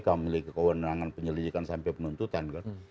tidak memiliki kewenangan penyelidikan sampai penuntutan kan